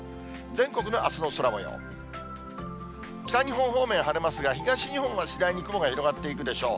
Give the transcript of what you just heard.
全国のあすの空もよう、北日本方面、晴れますが、東日本は次第に雲が広がっていくでしょう。